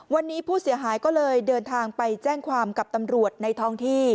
วันนี้ผู้เสียหายก็เลยเดินทางไปแจ้งความกับตำรวจในท้องที่